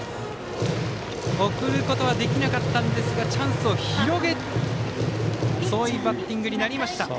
送ることはできなかったんですがチャンスを広げるバッティングになりました。